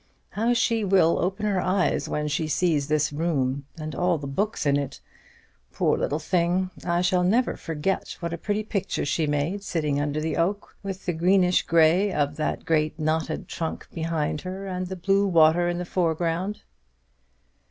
How she will open her eyes when she sees this room; and all the books in it! Poor little thing! I shall never forget what a pretty picture she made sitting under the oak, with the greenish grey of the great knotted trunk behind her, and the blue water in the foreground."